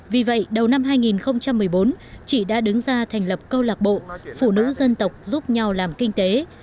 vì vậy đầu năm hai nghìn một mươi bốn chị đã đứng ra thành lập câu lạc bộ phụ nữ dân tộc giúp nhau làm kinh tế